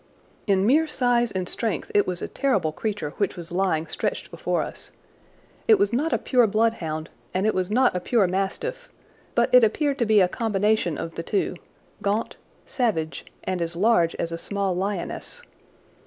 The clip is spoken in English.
In mere size and strength it was a terrible creature which was lying stretched before us. It was not a pure bloodhound and it was not a pure mastiff; but it appeared to be a combination of the two—gaunt, savage, and as large as a small lioness.